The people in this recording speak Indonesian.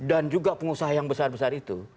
dan juga pengusaha yang besar besar itu